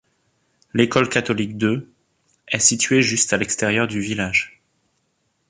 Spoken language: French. L'école catholique de est située juste à l'extérieur du village.